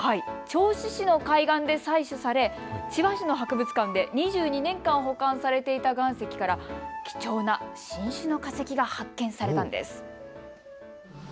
銚子市の海岸で採取され千葉市の博物館で２２年間保管されていた岩石から貴重な新種の化石が発見されんです。